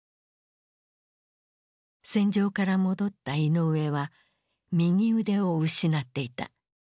戦場から戻ったイノウエは右腕を失っていた。